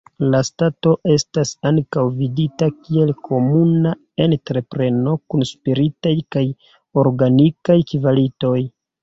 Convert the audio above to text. La stato estas ankaŭ vidita kiel komuna entrepreno kun spiritaj kaj organikaj kvalitoj.